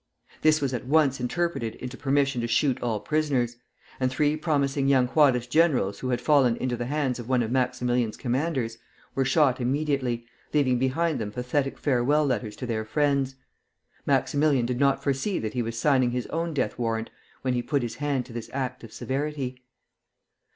This was at once interpreted into permission to shoot all prisoners; and three promising young Juarist generals who had fallen into the hands of one of Maximilian's commanders were shot immediately, leaving behind them pathetic farewell letters to their friends. Maximilian did not foresee that he was signing his own death warrant when he put his hand to this act of severity.